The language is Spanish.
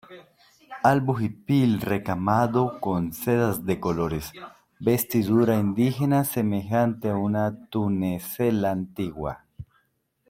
albo hipil recamado con sedas de colores, vestidura indígena semejante a una tunicela antigua ,